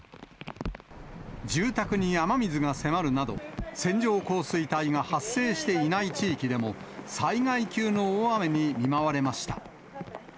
住宅に雨水が迫るなど、線状降水帯が発生していない地域でも、災害級の大雨に見舞われました。